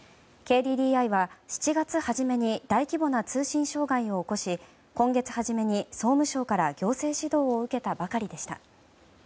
ＫＤＤＩは７月初めに大規模な通信障害を起こし今月初めに総務省から行政指導を受けたばかりでした。